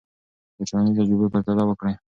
د ټولنیزو تجربو پرتله وکړه.